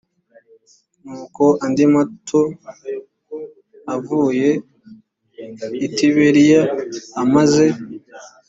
nuko ayandi mato avuye i tiberiya amaze